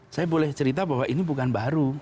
saya boleh cerita bahwa ini bukan baru